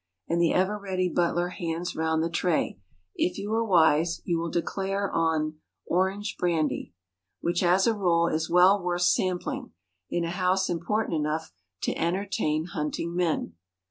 And the ever ready butler hands round the tray. If you are wise, you will declare on Orange Brandy which, as a rule, is well worth sampling, in a house important enough to entertain hunting men.